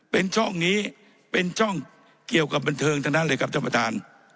เป็นช่องนี้เป็นช่องเกี่ยวกับบันเทิงทั้งนั้นเลยครับท่านประธาน